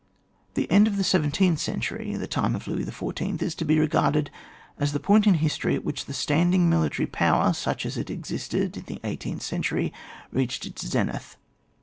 The end of the seventeenth century, the time of Louis XIV., is to be regarded as the point in history at which the standing military power, such as it existed in the eighteenth century, reached its zenith.